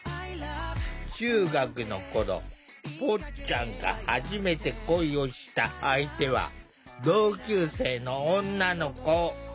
中学の頃ぽっちゃんが初めて恋をした相手は同級生の女の子。